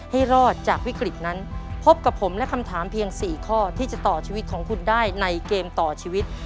ให้รอดจากวิกฤตนั้นพบกับผมและคำถามเพียง๔ข้อที่จะต่อชีวิตของคุณได้ในเกมต่อชีวิต